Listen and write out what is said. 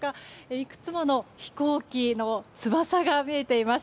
いくつもの飛行機の翼が見えています。